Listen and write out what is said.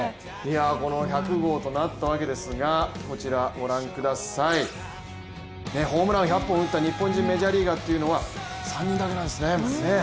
この１００号となったわけですが、ホームラン１００本打った日本人メジャーリーガーは３人だけなんですね。